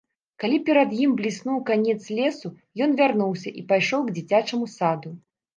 Калі перад ім бліснуў канец лесу, ён вярнуўся і пайшоў к дзіцячаму саду.